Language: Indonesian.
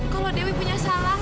kalau dewi punya salah